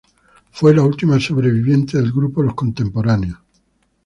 Fue la última sobreviviente del grupo Los Contemporáneos.